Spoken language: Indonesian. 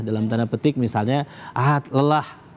dalam tanda petik misalnya ahad lelah